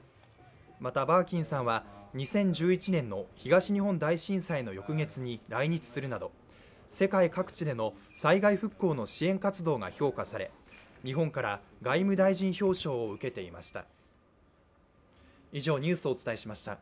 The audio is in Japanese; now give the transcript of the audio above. また、バーキンさんは２０１１年の東日本大震災の翌月に来日するなど、世界各地での災害復興の支援活動が評価され日本から外務大臣表彰を受けていました。